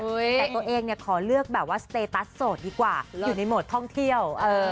แต่ตัวเองเนี่ยขอเลือกแบบว่าสเตตัสโสดดีกว่าอยู่ในโหมดท่องเที่ยว